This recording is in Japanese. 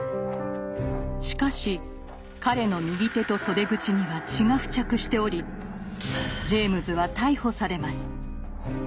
しかし彼の右手と袖口には血が付着しておりジェイムズは逮捕されます。